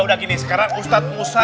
udah gini sekarang ustadz musa